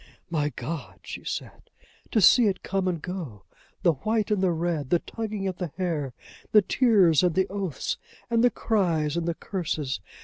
"My God!" she said, "to see it come and go! the white and the red! the tugging at the hair! the tears and the oaths, and the cries and the curses!